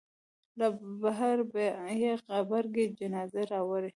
له بهره یې غبرګې جنازې راوړې.